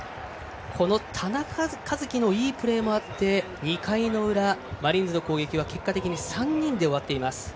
田中和基のいいプレーもあって２回の裏、マリーンズの攻撃は結果的に３人で終わっています。